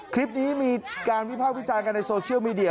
ก็มีการวิภาพิจารณ์กันในโซเชียลมีเดีย